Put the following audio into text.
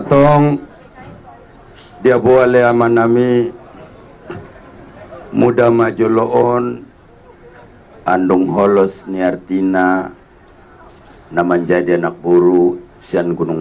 atau diapoleh amanami muda majulon andung holos nyertina naman jadi anak buru siang gunung